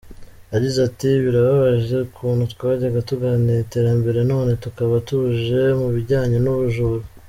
Yagize ati “ Birababaje ukuntu twajyaga tuganira iterambere none tukaba tuje mu bijyanye n’ubujura.